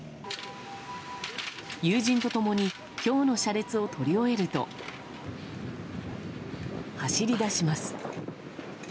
友人と共に今日の車列を撮り終えると走り出します。